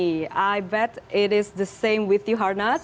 saya yakin ini sama dengan anda harnas